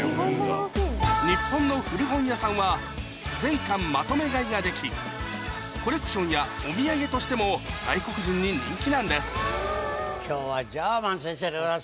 日本の古本屋さんは全巻まとめ買いができコレクションやお土産としても外国人に人気なんです今日はジャーマン先生でございます